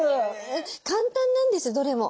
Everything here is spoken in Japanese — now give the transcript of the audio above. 簡単なんですどれも。